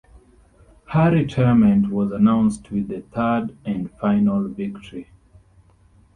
Her retirement was announced with the third and final victory.